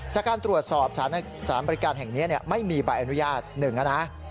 จากการตรวจสอบสารบริการแห่งนี้ไม่มีใบอนุญาต๑นะ